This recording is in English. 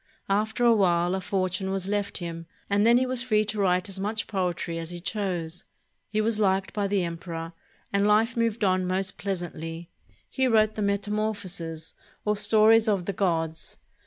After a while a fortune was left him, and then he was free to write as much poetry as he chose. He was liked by the emperor, and life moved on most pleasantly. He wrote the "Metamorphoses," or stories of the gods.